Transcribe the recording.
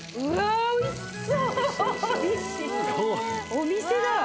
お店だわ。